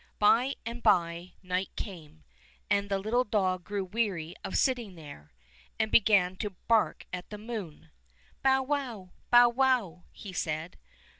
By and by night came, and the little dog grew weary of sitting there, 114 Fairy Tale Bears and began to bark at the moon. Bow wow, bow wow!" he said.